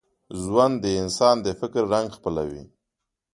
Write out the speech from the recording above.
ژوند د انسان د فکر رنګ خپلوي.